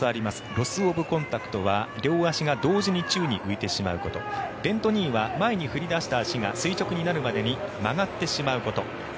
ロス・オブ・コンタクトは両足が同時に宙に浮いてしまうことベント・ニーは前に振り出した足が垂直になるまでに曲がってしまうこと。